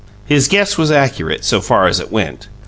His guess was accurate, so far as it went.